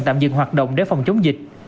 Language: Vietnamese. tạm dừng hoạt động để phòng chống dịch